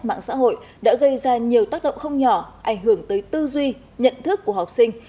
mạng xã hội đã gây ra nhiều tác động không nhỏ ảnh hưởng tới tư duy nhận thức của học sinh